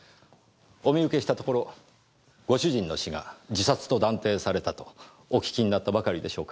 お見受けしたところご主人の死が自殺と断定されたとお聞きになったばかりでしょうか。